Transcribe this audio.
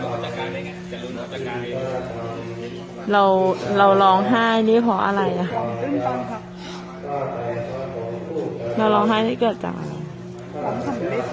นะแล้วเราเราร้องไห้นี้เพราะอะไรอ่ะรอให้เกิดจาก